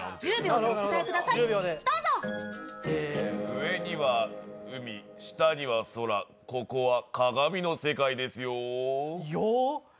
上には海、下には空、ここは鏡の世界ですよ。よ？